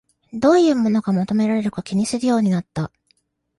どういうものが求められるか気にするようになった